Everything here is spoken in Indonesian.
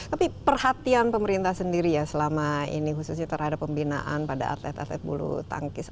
tapi perhatian pemerintah sendiri ya selama ini khususnya terhadap pembinaan pada atlet atlet bulu tangkis